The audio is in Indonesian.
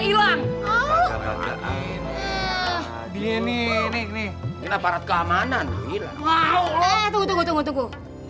hilang ini ini ini ini aparat keamanan tunggu tunggu tunggu tunggu